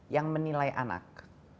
yang menilai anak